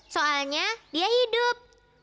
soalnya dia hidup